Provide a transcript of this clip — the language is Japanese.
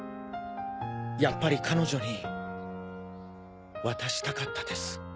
やっぱり彼女に渡したかったです。